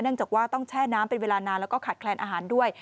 จากว่าต้องแช่น้ำเป็นเวลานานแล้วก็ขาดแคลนอาหารด้วย